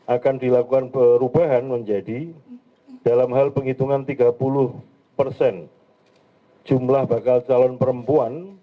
akan dilakukan perubahan menjadi dalam hal penghitungan tiga puluh persen jumlah bakal calon perempuan